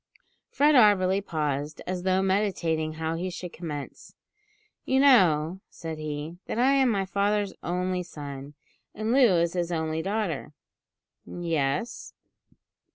Fred Auberly paused, as though meditating how he should commence. "You know," said he, "that I am my father's only son, and Loo his only daughter." "Yes."